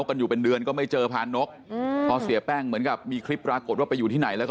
เขารอมหาพรานก